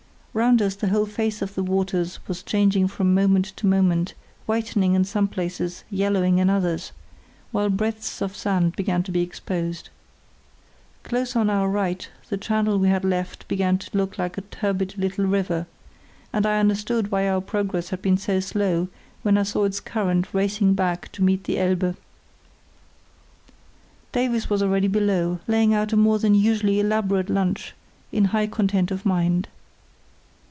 Round us the whole face of the waters was changing from moment to moment, whitening in some places, yellowing in others, where breadths of sand began to be exposed. Close on our right the channel we had left began to look like a turbid little river; and I understood why our progress had been so slow when I saw its current racing back to meet the Elbe. Davies was already below, laying out a more than usually elaborate lunch, in high content of mind.